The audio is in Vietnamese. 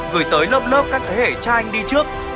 gửi tới lớp lớp các thế hệ cha anh đi trước